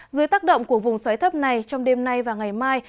dưới tác động của vùng xoáy thấp này trong đêm nay và ngày mai